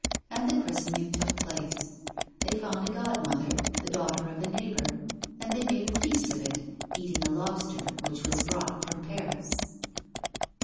And the christening took place; they found a godmother, the daughter of a neighbour, and they made a feast of it, eating a lobster, which was brought from Paris.